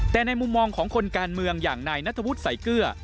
แต่ในมุมมองของคนการเมืองอย่างนายนัทวุฒิใส่เกลือ